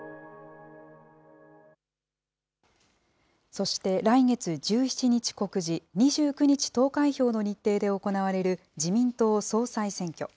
そして来月１７日告示、２９日投開票の日程で行われる自民党総裁選挙。